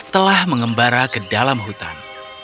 telah mengembara ke dalam hutan